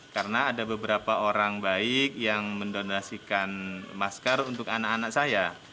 karena ada beberapa orang baik yang mendonasikan masker untuk anak anak saya